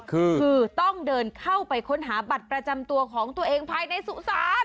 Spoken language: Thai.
คือต้องเดินเข้าไปค้นหาบัตรประจำตัวของตัวเองภายในสุสา